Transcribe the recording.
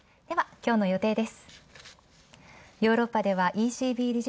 今日の予定です。